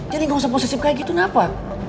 jadi gak usah posisif kayak gitu kenapa